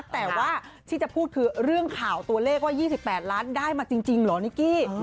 แต่ว่าที่จะพูดคือเรื่องข่าวตัวเลขว่า๒๘ล้านได้มาจริงเหรอนิกกี้